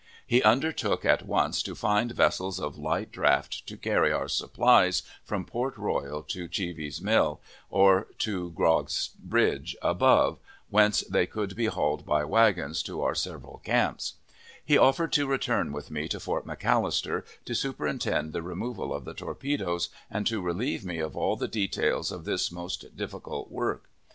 He undertook at once to find vessels of light draught to carry our supplies from Port Royal to Cheeves's Mill, or to Grog's Bridge above, whence they could be hauled by wagons to our several camps; he offered to return with me to Fort McAllister, to superintend the removal of the torpedoes, and to relieve me of all the details of this most difficult work.